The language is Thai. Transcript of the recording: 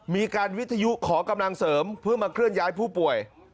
มีการวิทยุขอกำลังเสริมเพื่อมาเคลื่อนย้ายผู้ป่วย